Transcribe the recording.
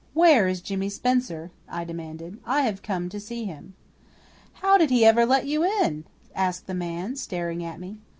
"Where is Jimmy Spencer?" I demanded. "I have come to see him." "How did he ever let you in?" asked the man, staring at me.